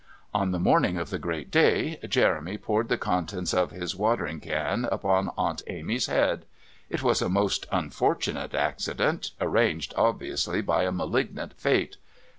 On the morning of the great day Jeremy poured the contents of his watering can upon Aunt Amy's head. It was a most unfortunate accident, arranged obviously by a malignant fate.